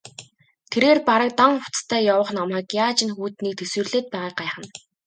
Тэрээр бараг дан хувцастай явах намайг яаж энэ хүйтнийг тэсвэрлээд байгааг гайхна.